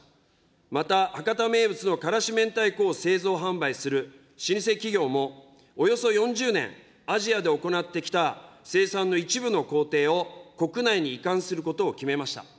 また博多名物の辛子めんたいこを製造・販売する老舗企業も、およそ４０年、アジアで行ってきた生産の一部の工程を、国内に移管することを決めました。